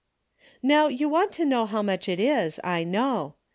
"Now you want to know how much it is, I know.